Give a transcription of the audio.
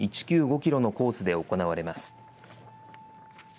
キロのコースで行われます。